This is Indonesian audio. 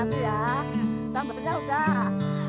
kita bekerja sudah